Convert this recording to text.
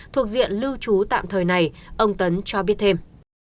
thuộc diện lưu trú tạm thời này ông tấn cho biết thêm